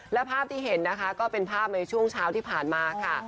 และภาพที่เห็นนะคะก็เป็นภาพในช่วงเช้าที่ผ่านมาค่ะ